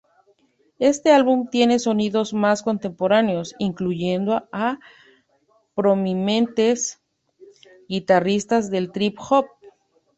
Este álbum tiene sonidos mas contemporáneos, incluyendo a prominentes guitarristas del trip hop.